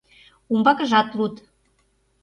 Умбакыжат луд.